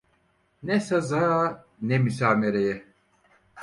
Ne saza, ne müsamereye!